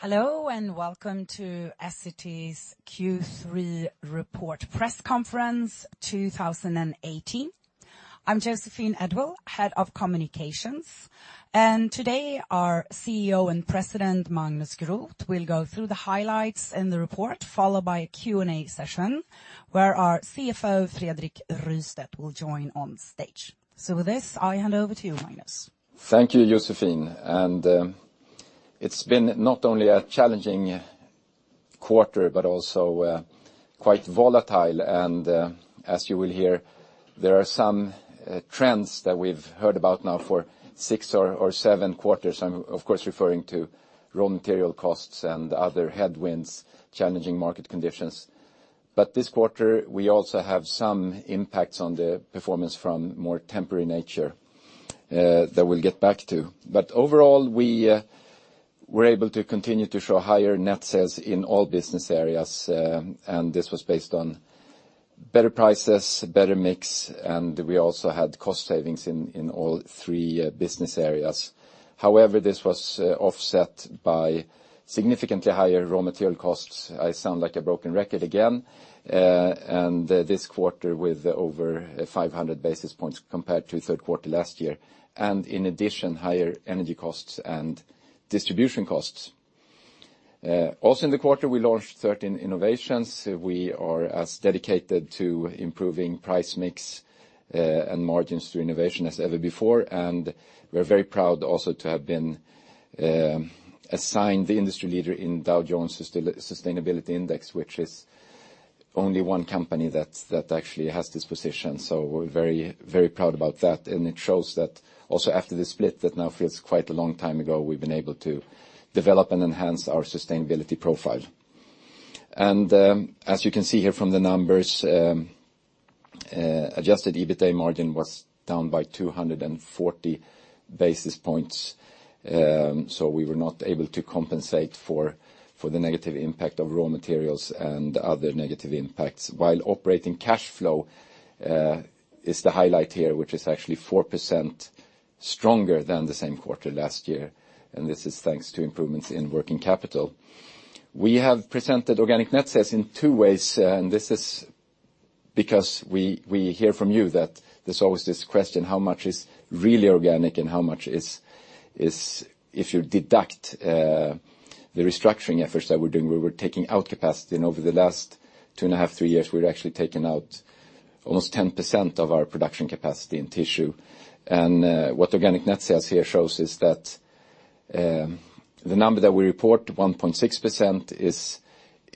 Hello, welcome to Essity's Q3 report press conference 2018. I'm Joséphine Edwall-Björklund, Head of Communications. Today our CEO and President, Magnus Groth, will go through the highlights in the report, followed by a Q&A session where our CFO, Fredrik Rystedt, will join on stage. With this, I hand over to you, Magnus. Thank you, Joséphine. It's been not only a challenging quarter, but also quite volatile. As you will hear, there are some trends that we've heard about now for six or seven quarters. I'm, of course, referring to raw material costs and other headwinds, challenging market conditions. This quarter, we also have some impacts on the performance from more temporary nature, that we'll get back to. Overall, we were able to continue to show higher net sales in all business areas. This was based on better prices, better mix, and we also had cost savings in all three business areas. However, this was offset by significantly higher raw material costs. I sound like a broken record again. This quarter with over 500 basis points compared to third quarter last year, and in addition, higher energy costs and distribution costs. Also in the quarter, we launched 13 innovations. We are as dedicated to improving price mix, and margins through innovation as ever before. We're very proud also to have been assigned the industry leader in Dow Jones Sustainability Index, which is only one company that actually has this position. We're very proud about that. It shows that also after the split, that now feels quite a long time ago, we've been able to develop and enhance our sustainability profile. As you can see here from the numbers, adjusted EBITDA margin was down by 240 basis points. We were not able to compensate for the negative impact of raw materials and other negative impacts. While operating cash flow, is the highlight here, which is actually 4% stronger than the same quarter last year. This is thanks to improvements in working capital. We have presented organic net sales in two ways, this is because we hear from you that there's always this question, how much is really organic and how much is if you deduct the restructuring efforts that we're doing, where we're taking out capacity. Over the last two and a half, three years, we've actually taken out almost 10% of our production capacity in tissue. What organic net sales here shows is that, the number that we report, 1.6%,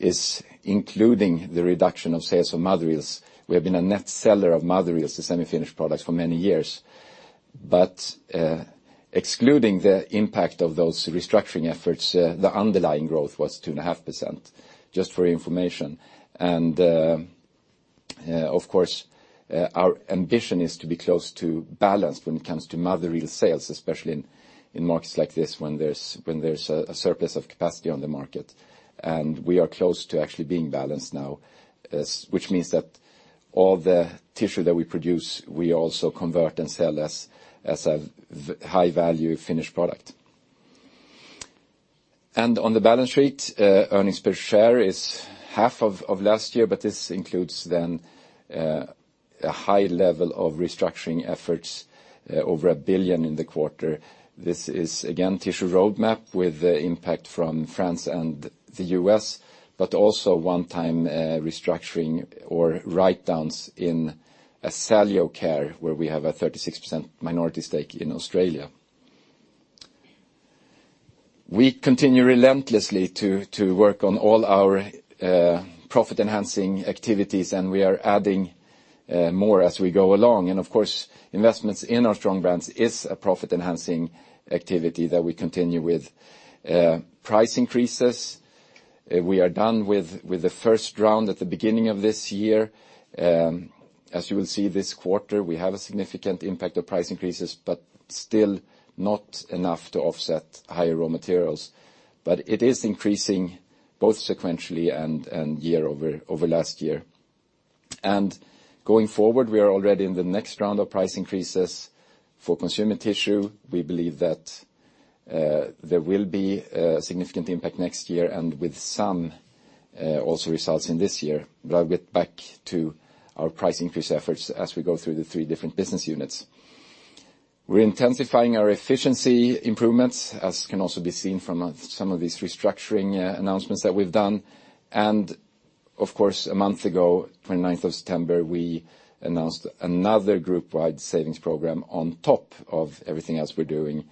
is including the reduction of sales for mother reels. We have been a net seller of mother reels to semi-finished products for many years. Excluding the impact of those restructuring efforts, the underlying growth was 2.5%, just for information. Of course, our ambition is to be close to balanced when it comes to mother reel sales, especially in markets like this when there's a surplus of capacity on the market. We are close to actually being balanced now, which means that all the tissue that we produce, we also convert and sell as a high-value finished product. On the balance sheet, earnings per share is half of last year, but this includes then, a high level of restructuring efforts, over 1 billion in the quarter. This is again, Tissue Roadmap with impact from France and the U.S., but also one time, restructuring or write-downs in Asaleo Care, where we have a 36% minority stake in Australia. We continue relentlessly to work on all our profit-enhancing activities, we are adding more as we go along. Of course, investments in our strong brands is a profit-enhancing activity that we continue with. Price increases, we are done with the first round at the beginning of this year. As you will see this quarter, we have a significant impact of price increases, but still not enough to offset higher raw materials. It is increasing both sequentially and year over last year. Going forward, we are already in the next round of price increases for consumer tissue. We believe that there will be a significant impact next year and with some also results in this year. I'll get back to our price increase efforts as we go through the three different business units. We're intensifying our efficiency improvements, as can also be seen from some of these restructuring announcements that we've done. Of course, a month ago, 29th of September, we announced another group-wide savings program on top of everything else we're doing.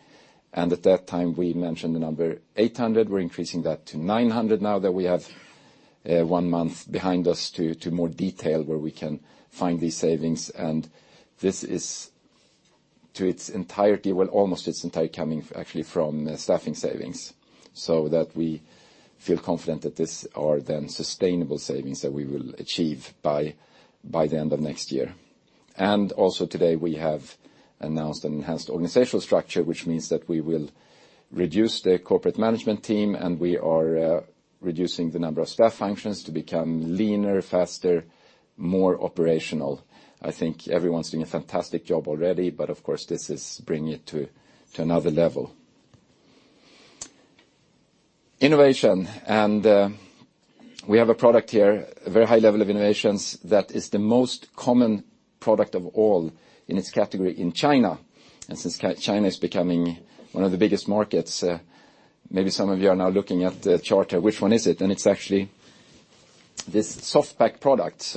At that time, we mentioned the number 800. We're increasing that to 900 now that we have one month behind us to more detail where we can find these savings. This is to its entirety, well, almost its entirety, coming actually from staffing savings, so that we feel confident that these are then sustainable savings that we will achieve by the end of next year. Also today, we have announced an enhanced organizational structure, which means that we will reduce the corporate management team, we are reducing the number of staff functions to become leaner, faster, more operational. I think everyone's doing a fantastic job already, but of course, this is bringing it to another level. Innovation. We have a product here, a very high level of innovations, that is the most common product of all in its category in China. Since China is becoming one of the biggest markets, maybe some of you are now looking at the chart here. Which one is it? It's actually this soft pack product.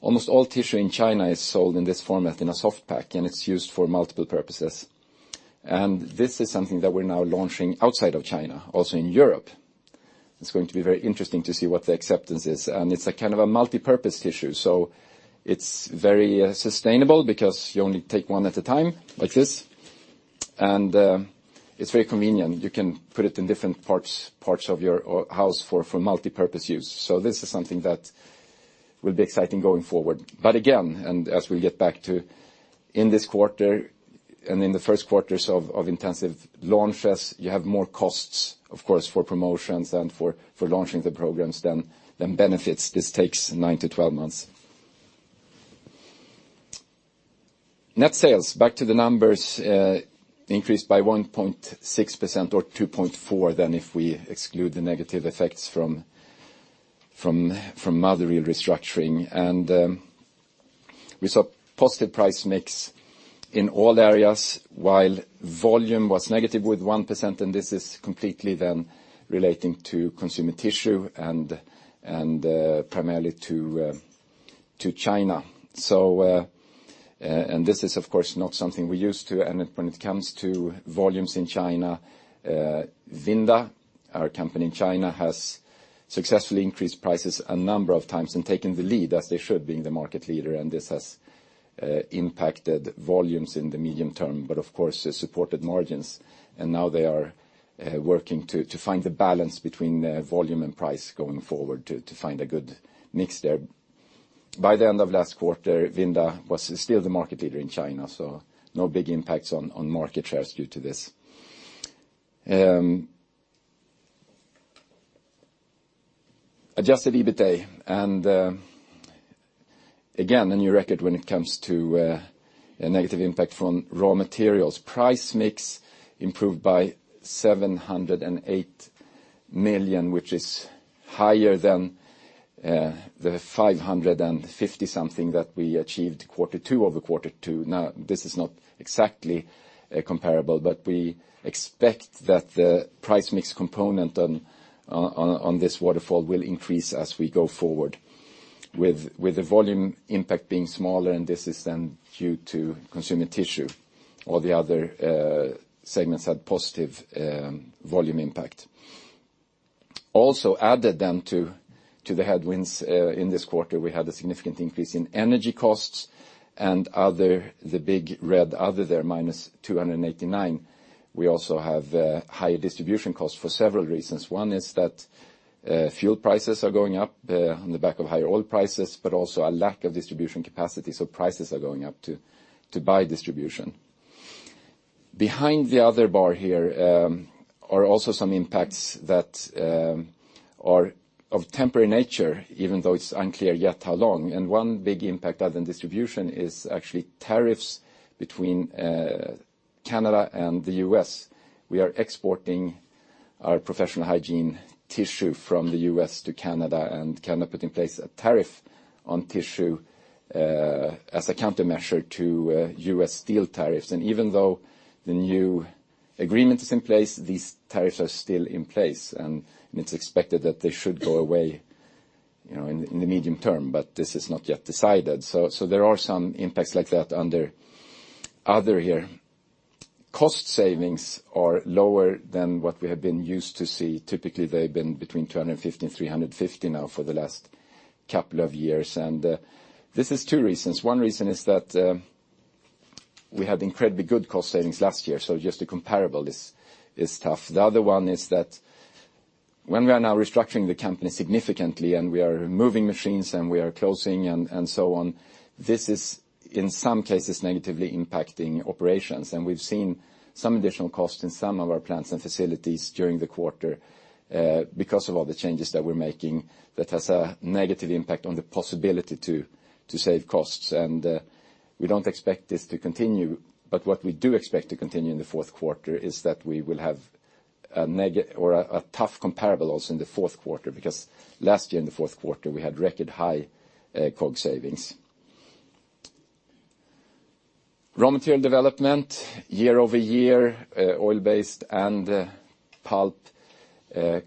Almost all tissue in China is sold in this format, in a soft pack, and it's used for multiple purposes. This is something that we're now launching outside of China, also in Europe. It's going to be very interesting to see what the acceptance is. It's a kind of a multipurpose tissue. It's very sustainable because you only take one at a time, like this, and it's very convenient. You can put it in different parts of your house for multipurpose use. This is something that will be exciting going forward. As we get back to in this quarter and in the first quarters of intensive launches, you have more costs, of course, for promotions and for launching the programs than benefits. This takes 9 to 12 months. Net sales, back to the numbers, increased by 1.6% or 2.4% if we exclude the negative effects from Marutham restructuring. We saw positive price mix in all areas while volume was negative with 1%, and this is completely then relating to consumer tissue and primarily to China. This is, of course, not something we're used to. When it comes to volumes in China, Vinda, our company in China, has successfully increased prices a number of times and taken the lead as they should, being the market leader, and this has impacted volumes in the medium term. Of course, it supported margins, now they are working to find the balance between volume and price going forward to find a good mix there. By the end of last quarter, Vinda was still the market leader in China, so no big impacts on market shares due to this. Adjusted EBITA, again, a new record when it comes to a negative impact from raw materials. Price mix improved by 708 million, which is higher than the 550 something that we achieved Q2 over Q2. This is not exactly comparable, we expect that the price mix component on this waterfall will increase as we go forward, with the volume impact being smaller, this is then due to consumer tissue. All the other segments had positive volume impact. Also added then to the headwinds in this quarter, we had a significant increase in energy costs and other, the big red other there, -289. We also have higher distribution costs for several reasons. One is that fuel prices are going up on the back of higher oil prices, a lack of distribution capacity, prices are going up to buy distribution. Behind the other bar here are also some impacts that are of temporary nature, even though it's unclear yet how long. One big impact other than distribution is actually tariffs between Canada and the U.S. We are exporting our professional hygiene tissue from the U.S. to Canada put in place a tariff on tissue as a countermeasure to U.S. steel tariffs. Even though the new agreement is in place, these tariffs are still in place, it's expected that they should go away in the medium term, this is not yet decided. There are some impacts like that under other here. Cost savings are lower than what we have been used to see. Typically, they've been between 250 and 350 now for the last couple of years. This is two reasons. One reason is that we had incredibly good cost savings last year, just the comparable is tough. The other one is that when we are now restructuring the company significantly, and we are moving machines, and we are closing, and so on, this is, in some cases, negatively impacting operations. We've seen some additional costs in some of our plants and facilities during the quarter because of all the changes that we're making that has a negative impact on the possibility to save costs. We don't expect this to continue, but what we do expect to continue in the fourth quarter is that we will have a tough comparable also in the fourth quarter, because last year in the fourth quarter, we had record high COG savings. Raw material development year-over-year, oil-based and pulp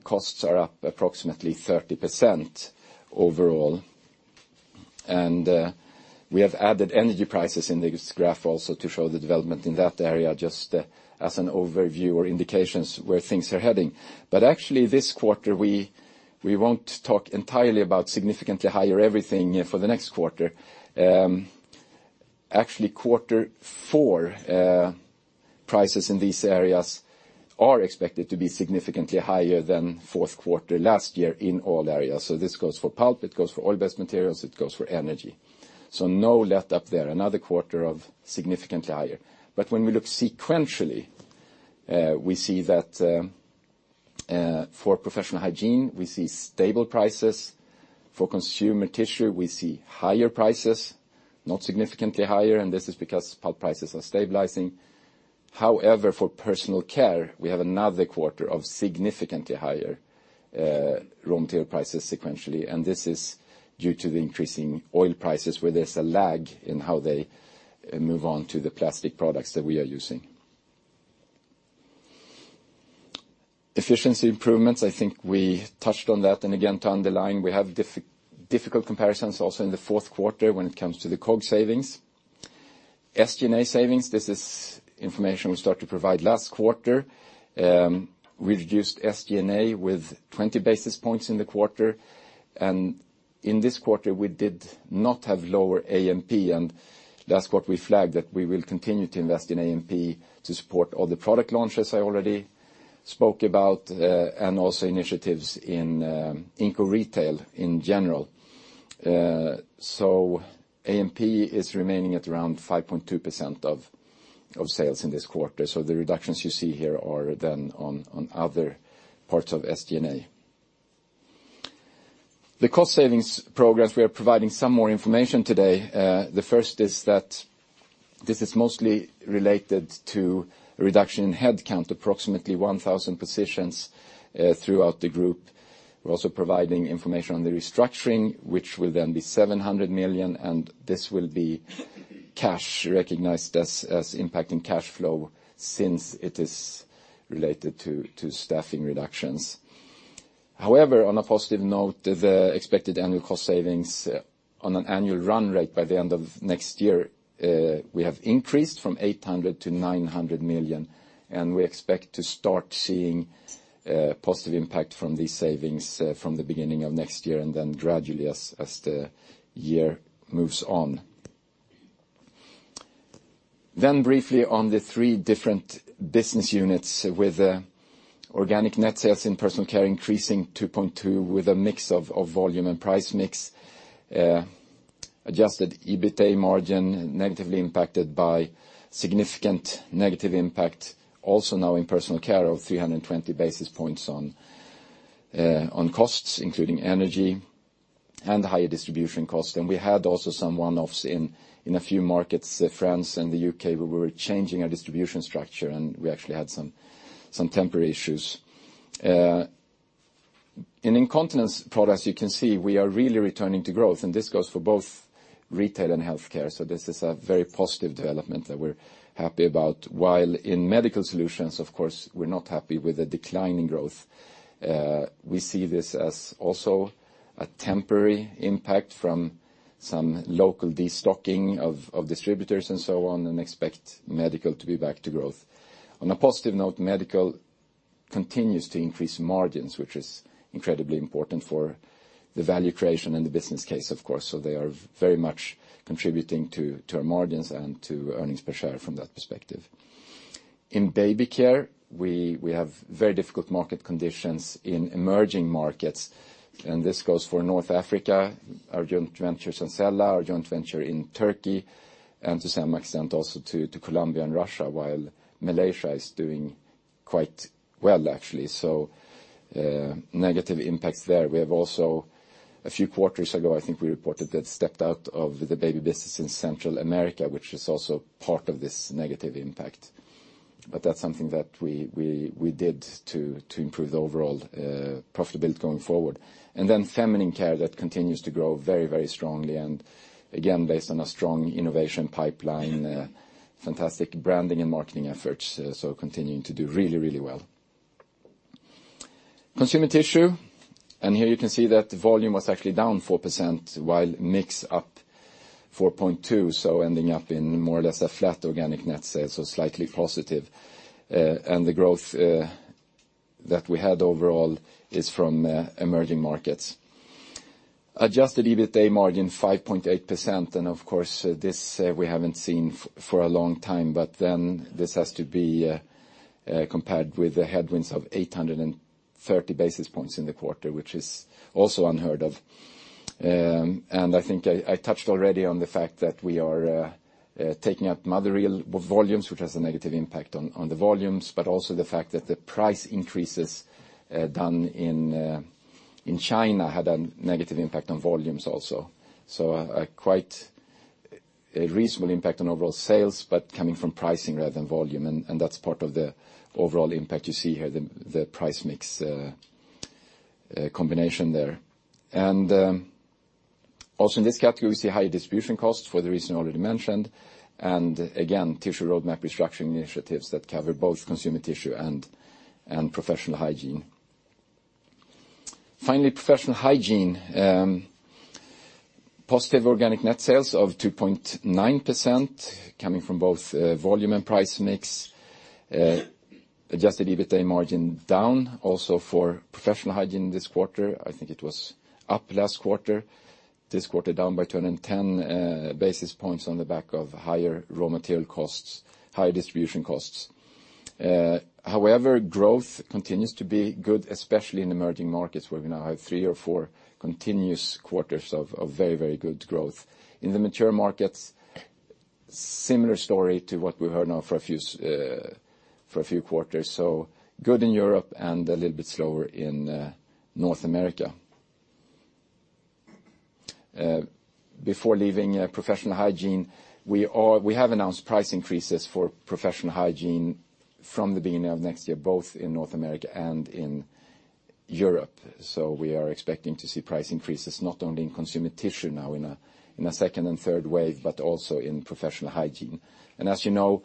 costs are up approximately 30% overall. We have added energy prices in this graph also to show the development in that area just as an overview or indications where things are heading. Actually this quarter, we won't talk entirely about significantly higher everything for the next quarter. Actually, quarter four prices in these areas are expected to be significantly higher than fourth quarter last year in all areas. This goes for pulp, it goes for oil-based materials, it goes for energy. No letup there. Another quarter of significantly higher. When we look sequentially, we see that For professional hygiene, we see stable prices. For consumer tissue, we see higher prices, not significantly higher, and this is because pulp prices are stabilizing. However, for personal care, we have another quarter of significantly higher raw material prices sequentially, and this is due to the increasing oil prices, where there's a lag in how they move on to the plastic products that we are using. Efficiency improvements, I think we touched on that, and again, to underline, we have difficult comparisons also in the fourth quarter when it comes to the COG savings. SG&A savings, this is information we started to provide last quarter. We reduced SG&A with 20 basis points in the quarter. In this quarter, we did not have lower AMP, and that's what we flagged, that we will continue to invest in AMP to support all the product launches I already spoke about, and also initiatives in Inco Retail in general. AMP is remaining at around 5.2% of sales in this quarter. The reductions you see here are then on other parts of SG&A. The cost savings programs, we are providing some more information today. The first is that this is mostly related to a reduction in headcount, approximately 1,000 positions throughout the group. We're also providing information on the restructuring, which will then be 700 million, and this will be cash recognized as impacting cash flow since it is related to staffing reductions. However, on a positive note, the expected annual cost savings on an annual run rate by the end of next year, we have increased from 800 million to 900 million, and we expect to start seeing positive impact from these savings from the beginning of next year, and then gradually as the year moves on. Briefly on the three different business units with organic net sales in personal care increasing 2.2% with a mix of volume and price mix. Adjusted EBITA margin negatively impacted by significant negative impact also now in personal care of 320 basis points on costs, including energy and higher distribution costs. We had also some one-offs in a few markets, France and the U.K., where we were changing our distribution structure, and we actually had some temporary issues. In incontinence products, you can see we are really returning to growth, this goes for both retail and healthcare. This is a very positive development that we're happy about, while in medical solutions, of course, we're not happy with the decline in growth. We see this as also a temporary impact from some local destocking of distributors and so on, expect medical to be back to growth. On a positive note, medical continues to increase margins, which is incredibly important for the value creation and the business case, of course. They are very much contributing to our margins and to earnings per share from that perspective. In baby care, we have very difficult market conditions in emerging markets, this goes for North Africa, our joint venture, Sensella, our joint venture in Turkey, and to some extent also to Colombia and Russia, while Malaysia is doing quite well, actually. Negative impacts there. We have also, a few quarters ago, I think we reported that stepped out of the baby business in Central America, which is also part of this negative impact. That's something that we did to improve the overall profitability going forward. Feminine care, that continues to grow very strongly, and again, based on a strong innovation pipeline, fantastic branding and marketing efforts. Continuing to do really well. Consumer tissue, here you can see that the volume was actually down 4%, while mix up 4.2%, ending up in more or less a flat organic net sales, slightly positive. The growth that we had overall is from emerging markets. Adjusted EBITA margin 5.8%, of course, this we haven't seen for a long time. This has to be compared with the headwinds of 830 basis points in the quarter, which is also unheard of. I think I touched already on the fact that we are taking up mother reel volumes, which has a negative impact on the volumes, but also the fact that the price increases done in China had a negative impact on volumes also. A reasonable impact on overall sales, but coming from pricing rather than volume, that's part of the overall impact you see here, the price mix combination there. Also in this category, we see higher distribution costs for the reason already mentioned. Again, tissue roadmap restructuring initiatives that cover both consumer tissue and professional hygiene. Finally, professional hygiene. Positive organic net sales of 2.9% coming from both volume and price mix. Adjusted EBITA margin down also for professional hygiene this quarter. I think it was up last quarter. This quarter down by 210 basis points on the back of higher raw material costs, higher distribution costs. However, growth continues to be good, especially in emerging markets, where we now have three or four continuous quarters of very good growth. In the mature markets, similar story to what we've heard now for a few quarters. Good in Europe and a little bit slower in North America. Before leaving professional hygiene, we have announced price increases for professional hygiene from the beginning of next year, both in North America and in Europe. We are expecting to see price increases not only in consumer tissue now in a second and third wave, but also in professional hygiene. As you know,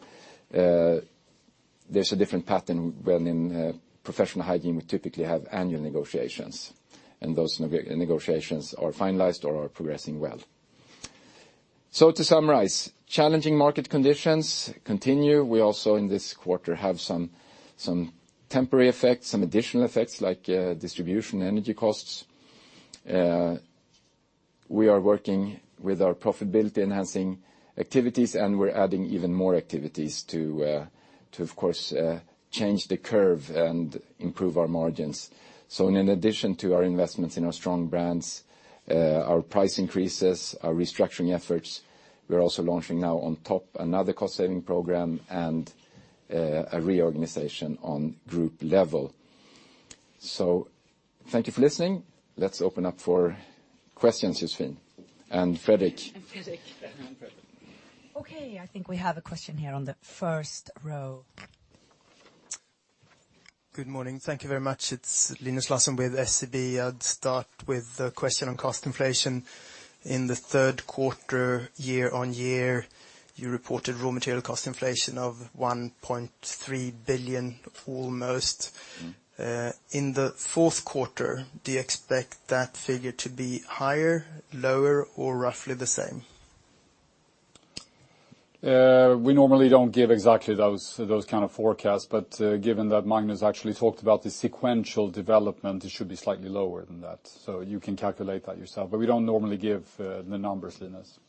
there's a different pattern when in professional hygiene, we typically have annual negotiations, and those negotiations are finalized or are progressing well. To summarize, challenging market conditions continue. We also, in this quarter, have some temporary effects, some additional effects, like distribution, energy costs. We are working with our profitability-enhancing activities, and we're adding even more activities to, of course, change the curve and improve our margins. In addition to our investments in our strong brands, our price increases, our restructuring efforts, we're also launching now on top another cost-saving program and a reorganization on group level. Thank you for listening. Let's open up for questions, Joséphine and Fredrik. Fredrik. Fredrik. We have a question here on the first row. Good morning. Thank you very much. It is Linus Larsson with SEB. I would start with a question on cost inflation. In the third quarter, year-over-year, you reported raw material cost inflation of 1.3 billion, almost. In the fourth quarter, do you expect that figure to be higher, lower, or roughly the same? We normally do not give exactly those kind of forecasts, given that Magnus actually talked about the sequential development, it should be slightly lower than that. You can calculate that yourself, but we do not normally give the numbers, Linus.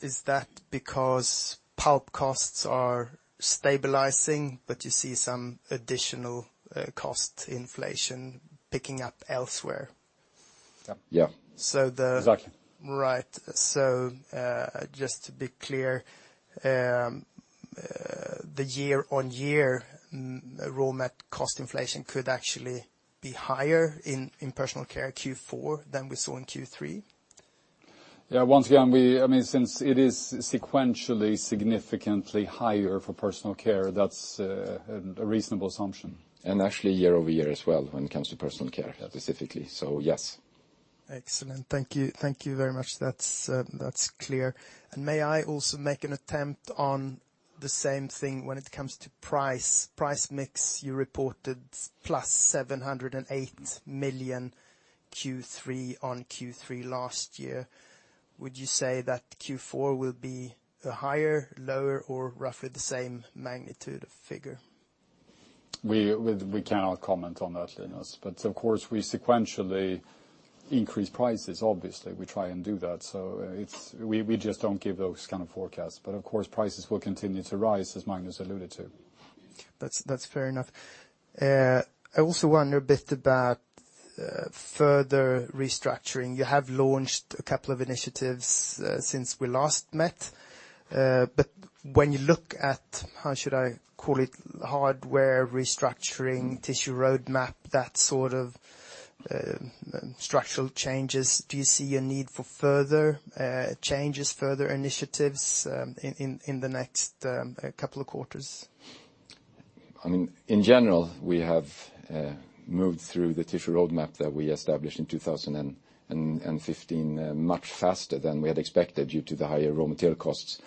Is that because pulp costs are stabilizing, but you see some additional cost inflation picking up elsewhere? Yeah. So the- Exactly. Right. Just to be clear, the year-over-year raw mat cost inflation could actually be higher in personal care Q4 than we saw in Q3? Yeah. Once again, since it is sequentially significantly higher for personal care, that's a reasonable assumption. Actually year-over-year as well when it comes to personal care specifically. Yes. Excellent. Thank you. Thank you very much. That's clear. May I also make an attempt on the same thing when it comes to price. Price mix, you reported plus 708 million Q3 on Q3 last year. Would you say that Q4 will be higher, lower, or roughly the same magnitude of figure? We cannot comment on that, Linus. Of course, we sequentially increase prices, obviously. We try and do that. We just don't give those kind of forecasts. Of course, prices will continue to rise, as Magnus alluded to. That's fair enough. I also wonder a bit about further restructuring. You have launched a couple of initiatives since we last met. When you look at, how should I call it, hardware restructuring, Tissue Roadmap, that sort of structural changes, do you see a need for further changes, further initiatives in the next couple of quarters? In general, we have moved through the Tissue Roadmap that we established in 2015 much faster than we had expected due to the higher raw material costs.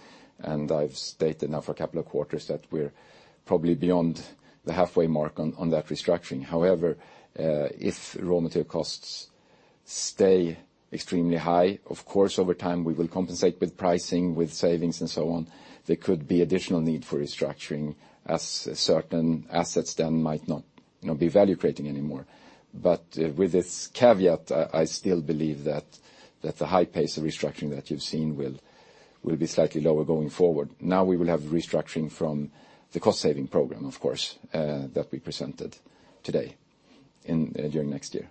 I've stated now for a couple of quarters that we're probably beyond the halfway mark on that restructuring. However, if raw material costs stay extremely high, of course, over time, we will compensate with pricing, with savings and so on. There could be additional need for restructuring as certain assets then might not be value-creating anymore. With this caveat, I still believe that the high pace of restructuring that you've seen will be slightly lower going forward. Now we will have restructuring from the Cost-Saving Program, of course, that we presented today during next year.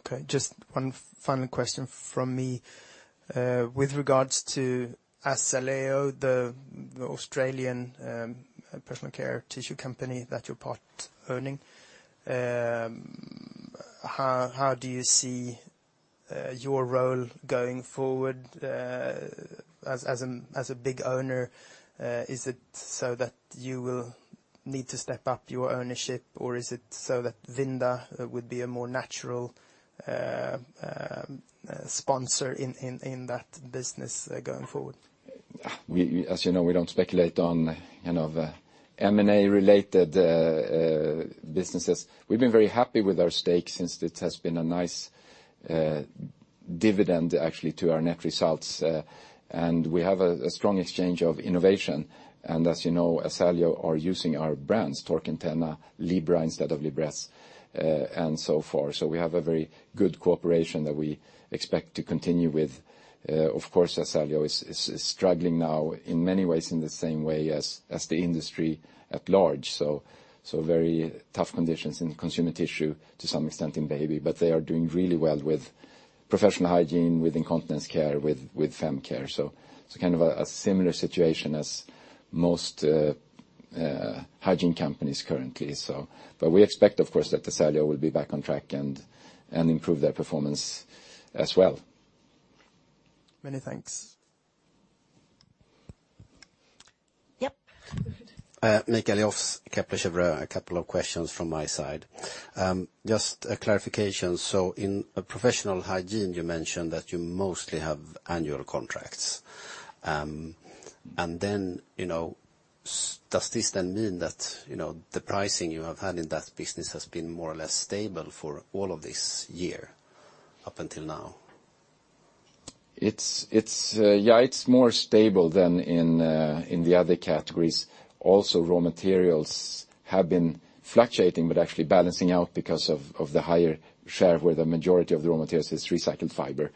Okay, just one final question from me. With regards to Asaleo, the Australian personal care tissue company that you're part owning, how do you see your role going forward as a big owner? Is it so that you will need to step up your ownership, or is it so that Vinda would be a more natural sponsor in that business going forward? As you know, we don't speculate on M&A-related businesses. We've been very happy with our stake since it has been a nice dividend, actually, to our net results. We have a strong exchange of innovation. As you know, Asaleo are using our brands, Tork and TENA, Libra instead of Libresse, and so forth. We have a very good cooperation that we expect to continue with. Of course, Asaleo is struggling now in many ways in the same way as the industry at large. Very tough conditions in consumer tissue, to some extent in baby, but they are doing really well with Professional hygiene with incontinence care with fem care. Kind of a similar situation as most hygiene companies currently. We expect, of course, that Asaleo will be back on track and improve their performance as well. Many thanks. Yep. Mikael Eliasson, Kepler Cheuvreux. A couple of questions from my side. Just a clarification. In Professional hygiene, you mentioned that you mostly have annual contracts. Does this then mean that the pricing you have had in that business has been more or less stable for all of this year up until now? Yeah, it's more stable than in the other categories. Raw materials have been fluctuating, but actually balancing out because of the higher share where the majority of the raw materials is recycled fiber.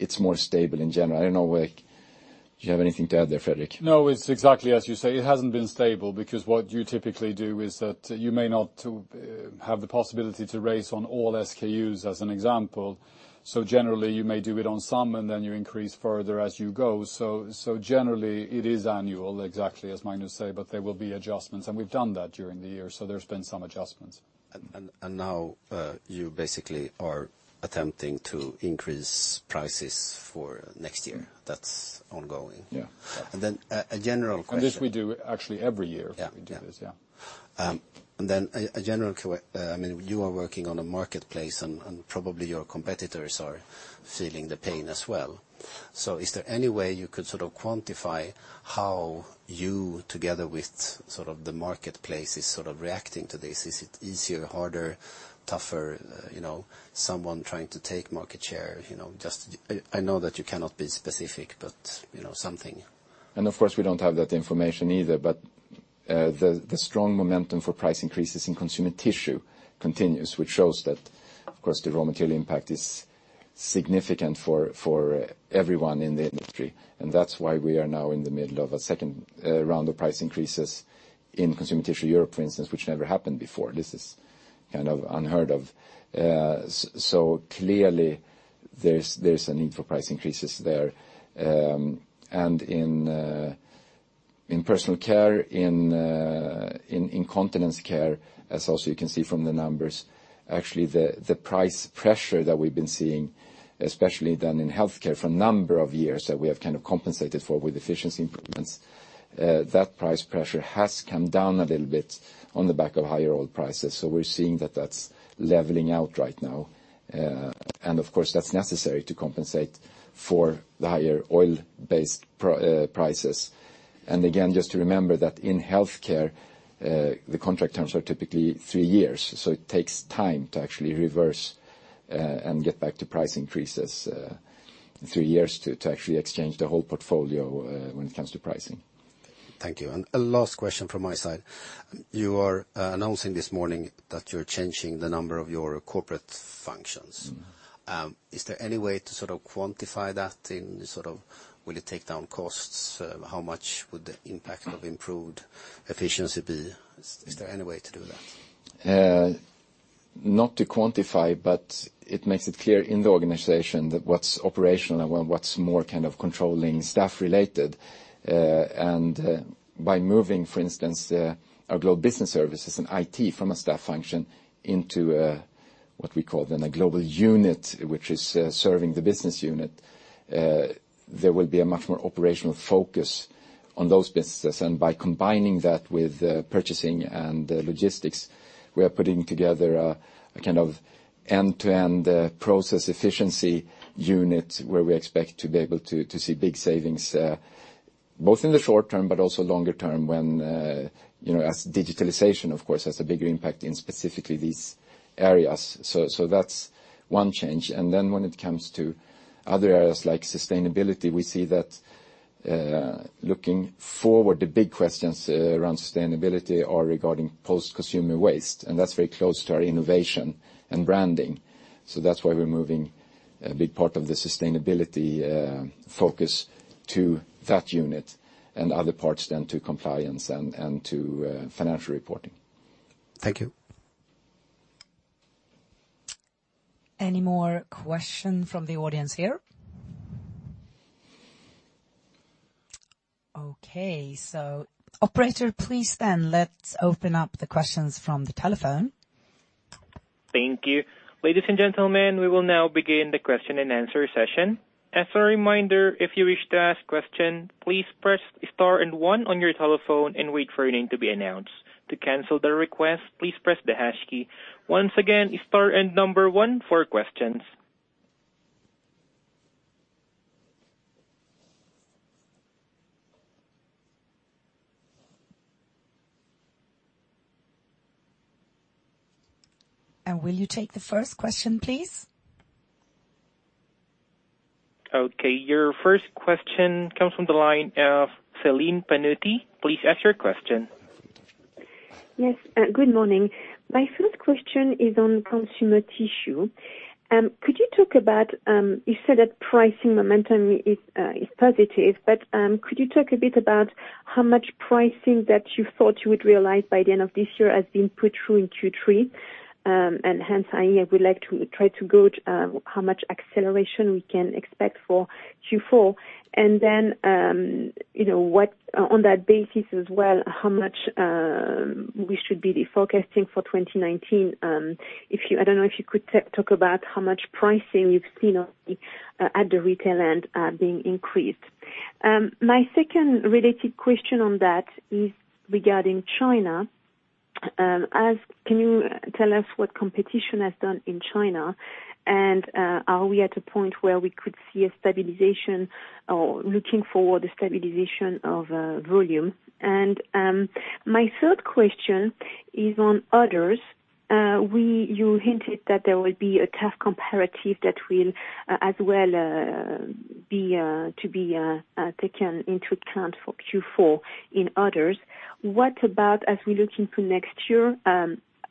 It's more stable in general. I don't know, do you have anything to add there, Fredrik? No, it's exactly as you say. It hasn't been stable because what you typically do is that you may not have the possibility to raise on all SKUs, as an example. Generally, you may do it on some, and then you increase further as you go. Generally, it is annual, exactly as Magnus say, but there will be adjustments, and we've done that during the year, there's been some adjustments. Now, you basically are attempting to increase prices for next year. That's ongoing. Yeah. A general question. This we do actually every year. Yeah. We do this, yeah. A general, you are working on a marketplace, and probably your competitors are feeling the pain as well. Is there any way you could sort of quantify how you, together with sort of the marketplace, is sort of reacting to this? Is it easier, harder, tougher, someone trying to take market share? I know that you cannot be specific, but something. Of course, we don't have that information either. The strong momentum for price increases in consumer tissue continues, which shows that, of course, the raw material impact is significant for everyone in the industry. That's why we are now in the middle of a second round of price increases in consumer tissue Europe, for instance, which never happened before. This is kind of unheard of. Clearly there's a need for price increases there. In personal care, in incontinence care, as also you can see from the numbers, actually the price pressure that we've been seeing, especially then in healthcare for a number of years, that we have kind of compensated for with efficiency improvements, that price pressure has come down a little bit on the back of higher oil prices. We're seeing that that's leveling out right now. Of course, that's necessary to compensate for the higher oil-based prices. Again, just to remember that in healthcare, the contract terms are typically 3 years. It takes time to actually reverse and get back to price increases, 3 years to actually exchange the whole portfolio when it comes to pricing. Thank you. A last question from my side. You are announcing this morning that you're changing the number of your corporate functions. Is there any way to sort of quantify that in sort of will it take down costs? How much would the impact of improved efficiency be? Is there any way to do that? Not to quantify, it makes it clear in the organization that what's operational and what's more kind of controlling staff related. By moving, for instance, our global business services and IT from a staff function into a, what we call then a global unit, which is serving the business unit, there will be a much more operational focus on those businesses. By combining that with purchasing and logistics, we are putting together a kind of end-to-end process efficiency unit where we expect to be able to see big savings, both in the short term but also longer term when, as digitalization, of course, has a bigger impact in specifically these areas. That's one change. When it comes to other areas like sustainability, we see that looking forward, the big questions around sustainability are regarding post-consumer waste, and that's very close to our innovation and branding. That's why we're moving a big part of the sustainability focus to that unit and other parts then to compliance and to financial reporting. Thank you. Any more question from the audience here? Okay. Operator, please then let's open up the questions from the telephone. Thank you. Ladies and gentlemen, we will now begin the question and answer session. As a reminder, if you wish to ask question, please press star and one on your telephone and wait for your name to be announced. To cancel the request, please press the hash key. Once again, star and number one for questions. Will you take the first question, please? Okay, your first question comes from the line of Celine Pannuti. Please ask your question. Yes, good morning. My first question is on consumer tissue. Could you talk about, you said that pricing momentum is positive, but could you talk a bit about how much pricing that you thought you would realize by the end of this year has been put through in Q3? Hence, I would like to try to gauge how much acceleration we can expect for Q4. Then on that basis as well, how much we should be forecasting for 2019. I don't know if you could talk about how much pricing you've seen at the retail end being increased. My second related question on that is regarding China. Can you tell us what competition has done in China? Are we at a point where we could see a stabilization or looking for the stabilization of volume? My third question is on orders. You hinted that there will be a tough comparative that will as well to be taken into account for Q4 in orders. What about as we look into next year?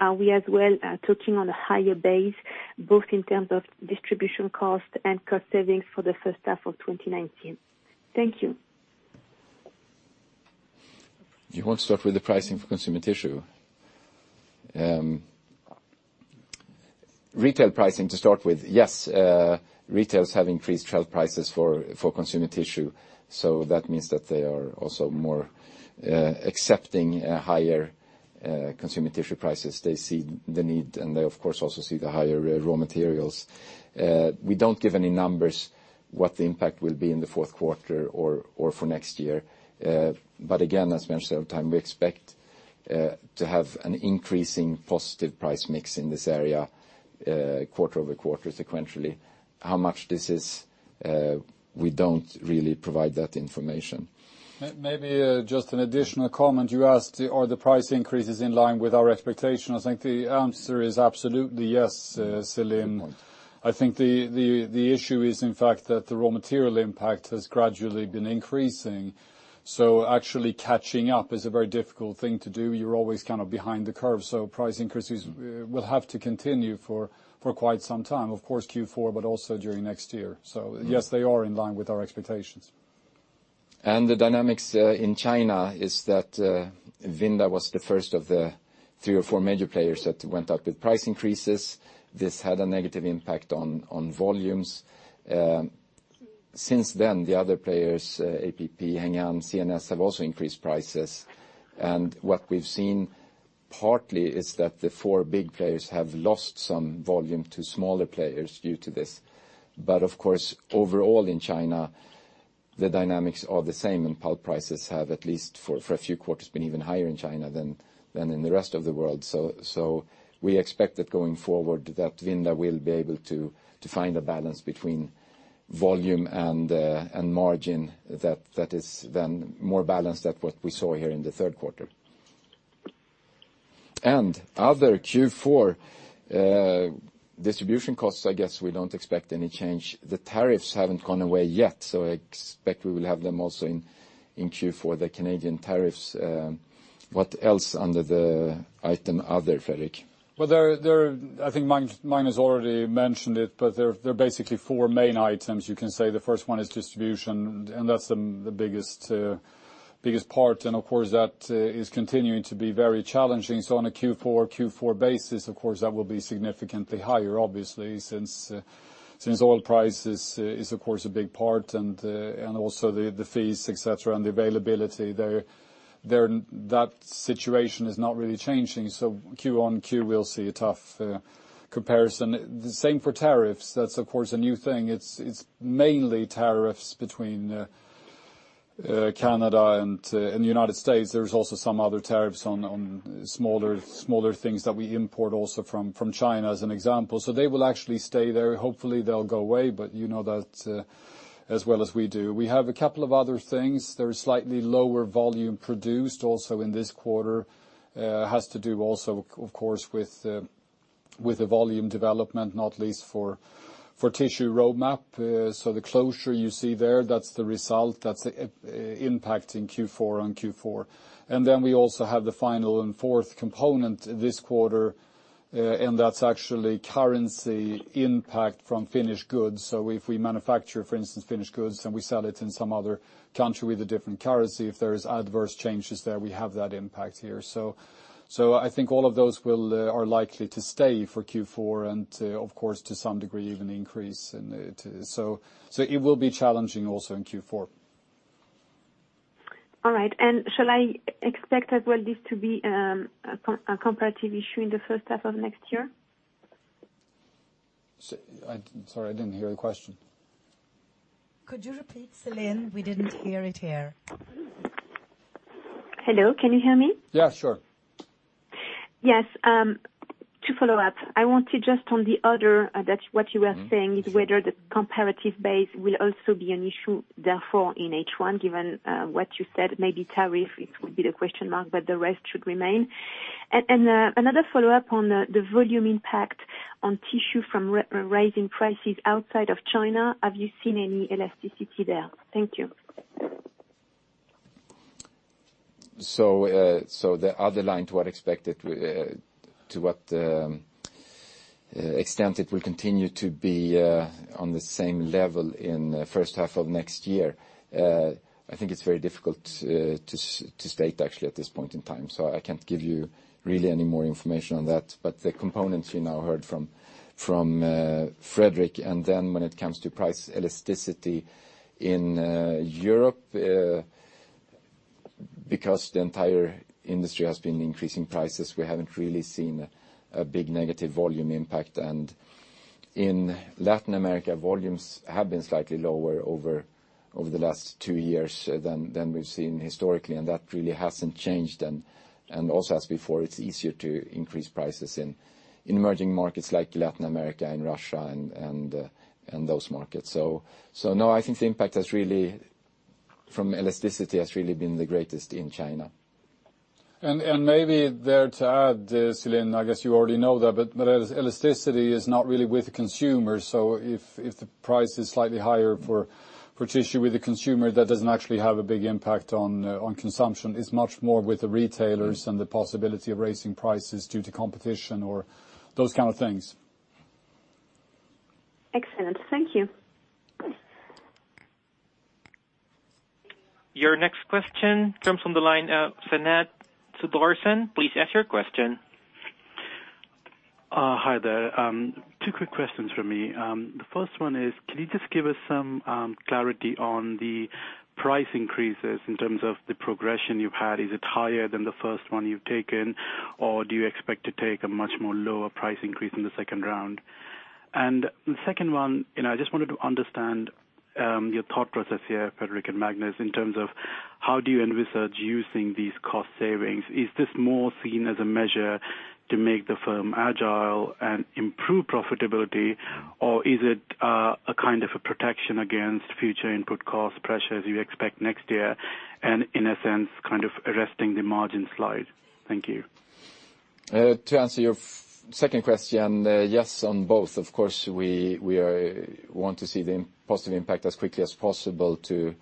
Are we as well talking on a higher base, both in terms of distribution cost and cost savings for the first half of 2019? Thank you. Do you want to start with the pricing for consumer tissue? Retail pricing to start with, yes, retails have increased shelf prices for consumer tissue. That means that they are also more accepting higher consumer tissue prices. They see the need, and they of course, also see the higher raw materials. We don't give any numbers what the impact will be in the fourth quarter or for next year. Again, as mentioned over time, we expect to have an increasing positive price mix in this area, quarter-over-quarter sequentially. How much this is, we don't really provide that information. Maybe just an additional comment. You asked are the price increases in line with our expectation? I think the answer is absolutely yes, Celine. I think the issue is, in fact, that the raw material impact has gradually been increasing. Actually catching up is a very difficult thing to do. You're always kind of behind the curve, price increases will have to continue for quite some time, of course, Q4, also during next year. Yes, they are in line with our expectations. The dynamics in China is that Vinda was the first of the three or four major players that went up with price increases. This had a negative impact on volumes. Since then, the other players, APP, Hengan, C&S, have also increased prices. What we've seen partly is that the four big players have lost some volume to smaller players due to this. Of course, overall in China, the dynamics are the same, and pulp prices have, at least for a few quarters, been even higher in China than in the rest of the world. We expect that going forward, that Vinda will be able to find a balance between volume and margin that is then more balanced than what we saw here in the third quarter. Other Q4 distribution costs, I guess we don't expect any change. The tariffs haven't gone away yet, I expect we will have them also in Q4, the Canadian tariffs. What else under the item other, Fredrik? Well, I think Magnus already mentioned it, there are basically four main items you can say. The first one is distribution, and that's the biggest part, and of course, that is continuing to be very challenging. On a Q4 basis, of course, that will be significantly higher, obviously, since oil price is of course a big part and also the fees, et cetera, and the availability. That situation is not really changing. Q on Q, we'll see a tough comparison. The same for tariffs. That's of course a new thing. It's mainly tariffs between Canada and the U.S. There's also some other tariffs on smaller things that we import also from China, as an example. They will actually stay there. Hopefully, they'll go away, you know that as well as we do. We have a couple of other things. There is slightly lower volume produced also in this quarter. Has to do also, of course, with the volume development, not least for tissue roadmap. The closure you see there, that's the result, that's impacting Q4 on Q4. We also have the final and fourth component this quarter, and that's actually currency impact from finished goods. If we manufacture, for instance, finished goods, and we sell it in some other country with a different currency, if there is adverse changes there, we have that impact here. I think all of those are likely to stay for Q4, and of course, to some degree, even increase. It will be challenging also in Q4. All right, shall I expect as well this to be a comparative issue in the first half of next year? Sorry, I didn't hear the question. Could you repeat, Celine? We didn't hear it here. Hello, can you hear me? Yeah, sure. Yes. To follow up, I want to just on the other, that what you were saying is whether the comparative base will also be an issue, therefore in H1, given what you said, maybe tariff, it would be the question mark, but the rest should remain. Another follow-up on the volume impact on tissue from raising prices outside of China. Have you seen any elasticity there? Thank you. The other line to what extent it will continue to be on the same level in the first half of next year, I think it's very difficult to state actually at this point in time. I can't give you really any more information on that. The components you now heard from Fredrik, when it comes to price elasticity in Europe, because the entire industry has been increasing prices, we haven't really seen a big negative volume impact. In Latin America, volumes have been slightly lower over the last two years than we've seen historically, and that really hasn't changed. Also as before, it's easier to increase prices in emerging markets like Latin America and Russia and those markets. No, I think the impact from elasticity has really been the greatest in China. Maybe there to add, Celine, I guess you already know that, elasticity is not really with the consumer. If the price is slightly higher for tissue with the consumer, that doesn't actually have a big impact on consumption. It's much more with the retailers and the possibility of raising prices due to competition or those kind of things. Excellent. Thank you. Your next question comes from the line of Fanette Subbarson. Please ask your question. Hi there. Two quick questions from me. The first one is, can you just give us some clarity on the price increases in terms of the progression you've had? Is it higher than the first one you've taken, or do you expect to take a much more lower price increase in the second round? The second one, I just wanted to understand, your thought process here, Fredrik and Magnus, in terms of how do you envisage using these cost savings? Is this more seen as a measure to make the firm agile and improve profitability? Is it a kind of a protection against future input cost pressures you expect next year? In a sense, kind of arresting the margin slide. Thank you. To answer your second question, yes on both. Of course, we want to see the positive impact as quickly as possible to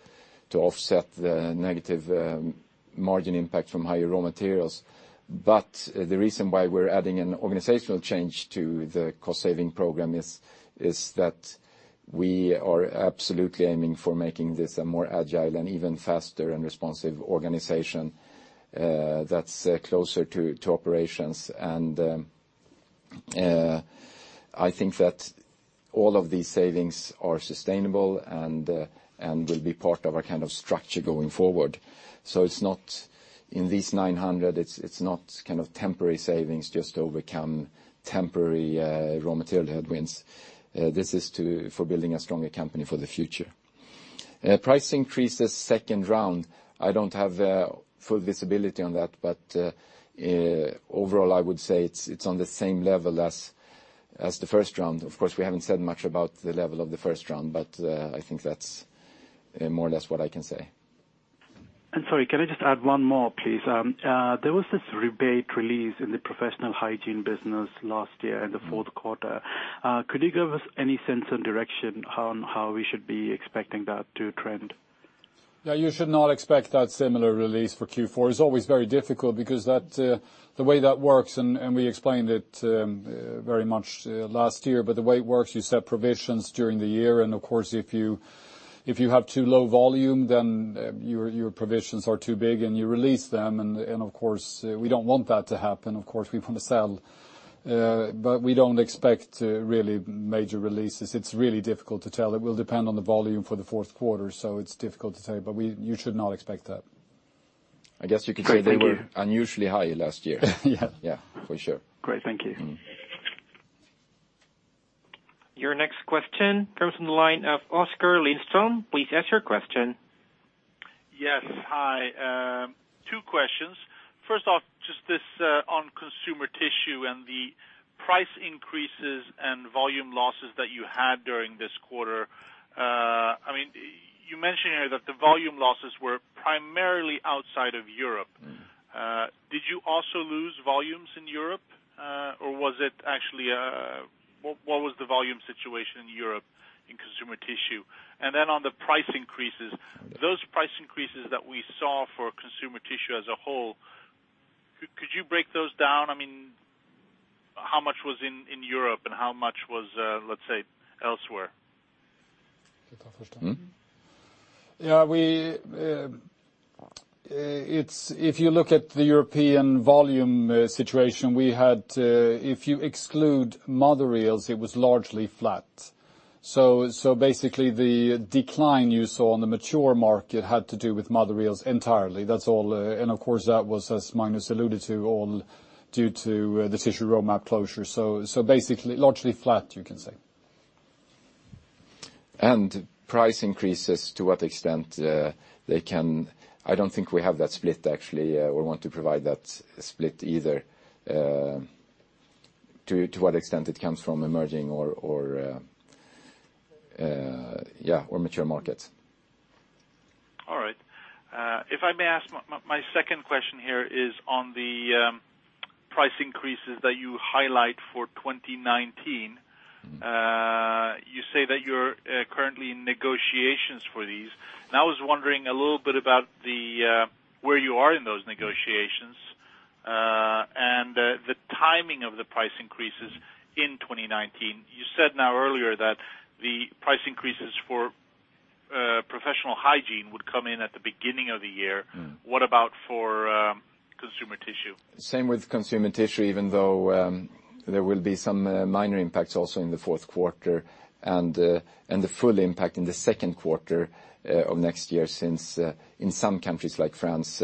offset the negative margin impact from higher raw materials. The reason why we're adding an organizational change to the cost-saving program is that we are absolutely aiming for making this a more agile and even faster and responsive organization that's closer to operations. I think that all of these savings are sustainable and will be part of our kind of structure going forward. In this 900, it's not kind of temporary savings just to overcome temporary raw material headwinds. This is for building a stronger company for the future. Price increases second round, I don't have full visibility on that, but overall I would say it's on the same level as the first round. Of course, we haven't said much about the level of the first round, but I think that's more or less what I can say. Sorry, can I just add one more, please? There was this rebate release in the professional hygiene business last year in the fourth quarter. Could you give us any sense and direction on how we should be expecting that to trend? Yeah, you should not expect that similar release for Q4. It's always very difficult because the way that works, and we explained it very much last year, but the way it works, you set provisions during the year. Of course, if you have too low volume, your provisions are too big and you release them, of course, we don't want that to happen. Of course, we want to sell. We don't expect really major releases. It's really difficult to tell. It will depend on the volume for the fourth quarter. It's difficult to say, but you should not expect that. I guess you could say they were unusually high last year. Yeah. Yeah, for sure. Great. Thank you. Your next question comes from the line of Oskar Lindström. Please ask your question. Yes. Hi. Two questions. First off, just this on consumer tissue and the price increases and volume losses that you had during this quarter. You mentioned here that the volume losses were primarily outside of Europe. What was the volume situation in Europe in consumer tissue? On the price increases, those price increases that we saw for consumer tissue as a whole, could you break those down? How much was in Europe and how much was, let's say, elsewhere? Can I take first? If you look at the European volume situation we had, if you exclude mother reels, it was largely flat. Basically the decline you saw on the mature market had to do with mother reels entirely. Of course, that was, as Magnus alluded to, all due to the tissue roadmap closure. Basically largely flat, you can say. Price increases, to what extent I don't think we have that split, actually, or want to provide that split either, to what extent it comes from emerging or mature markets. All right. If I may ask, my second question here is on the price increases that you highlight for 2019. You say that you're currently in negotiations for these, and I was wondering a little bit about where you are in those negotiations, and the timing of the price increases in 2019. You said now earlier that the price increases for professional hygiene would come in at the beginning of the year. What about for consumer tissue? Same with consumer tissue, even though there will be some minor impacts also in the fourth quarter, and the full impact in the second quarter of next year, since in some countries like France,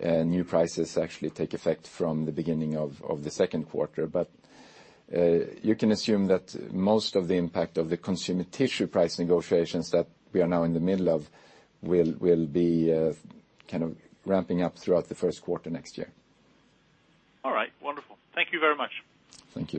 new prices actually take effect from the beginning of the second quarter. You can assume that most of the impact of the consumer tissue price negotiations that we are now in the middle of will be kind of ramping up throughout the first quarter next year. All right. Wonderful. Thank you very much. Thank you.